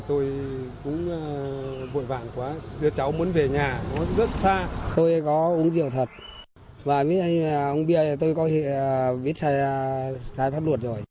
tôi có uống rượu thật và với ông bia tôi có biết xài phát luột rồi